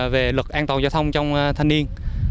về luật an toàn giao thông trong thanh niên